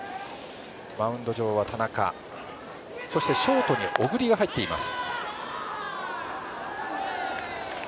マウンド上は田中そして、ショートに小栗が入っています。